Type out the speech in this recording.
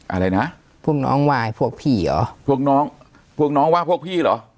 อะไรนะพวกน้องวายพวกผีเหรอพวกน้องพวกน้องว่าพวกพี่เหรอ